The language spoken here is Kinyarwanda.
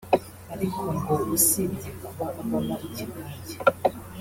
Ariko ngo usibye kuba avamo ikigage